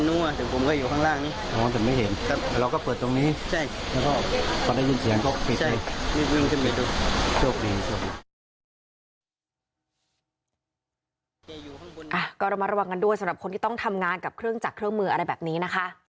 ก็ระมัดระวังกันด้วยสำหรับคนที่ต้องทำงานกับเครื่องจักรเครื่องมืออะไรแบบนี้นะคะ